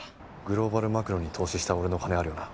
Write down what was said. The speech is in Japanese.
グローバルマクロに投資した俺の金あるよな？